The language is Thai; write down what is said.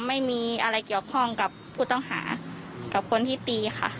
ไม่มีอะไรเกี่ยวข้องกับผู้ต้องหากับคนที่ตีค่ะ